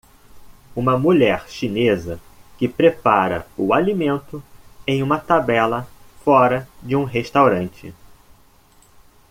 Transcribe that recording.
Uma mulher chinesa que prepara o alimento em uma tabela fora de um restaurante.